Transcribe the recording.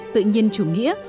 tự nhiên chủ nghĩa